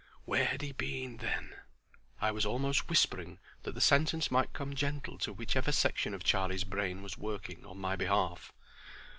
"Where had he been, then?" I was almost whispering that the sentence might come gentle to whichever section of Charlie's brain was working on my behalf.